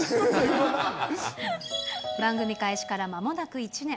番組開始からまもなく１年。